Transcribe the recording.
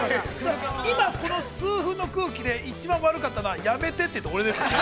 今、この数分の空気で一番悪かったのは、やめてって言った俺ですよね。